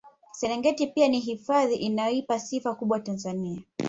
Serengeti pia ni hifadhi inayoipa sifa kubwa Tanzania